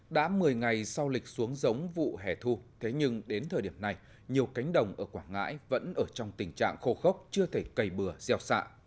đã một mươi ngày sau lịch xuống giống vụ hẻ thu thế nhưng đến thời điểm này nhiều cánh đồng ở quảng ngãi vẫn ở trong tình trạng khô khốc chưa thể cầy bừa gieo xạ